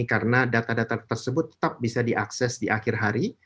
karena data data tersebut tetap bisa diakses di akhir hari